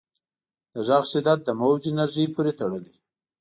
د غږ شدت د موج انرژۍ پورې تړلی.